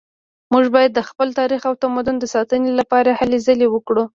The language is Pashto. موږ باید د خپل تاریخ او تمدن د ساتنې لپاره هلې ځلې وکړو